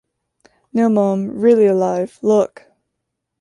No, mum, really alive. Look.